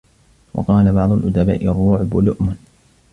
وَقَالَ بَعْضُ الْأُدَبَاءِ الرُّعْبُ لُؤْمٌ